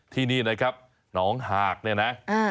ที่นี่นะครับหนองหากเนี่ยนะ